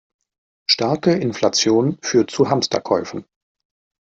Starke Inflation führt zu Hamsterkäufen.